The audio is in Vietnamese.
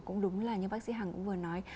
cũng đúng là như bác sĩ hằng cũng vừa nói